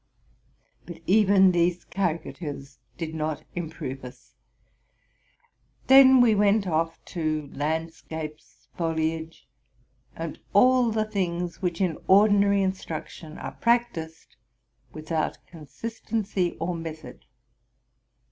But even these carica tures did not improve us. Then we went off to landscapes, foliage, and all the things which in ordinary instruction are practised without consistency or method.